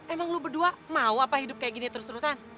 emang lu berdua mau apa hidup kayak gini terus terusan